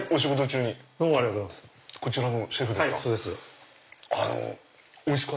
こちらのシェフですか？